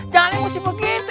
janganlah masih begitu